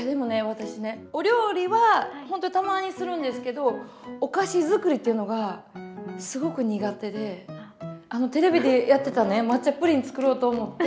私ねお料理はほんとにたまにするんですけどお菓子づくりっていうのがすごく苦手であのテレビでやってたね抹茶プリン作ろうと思って。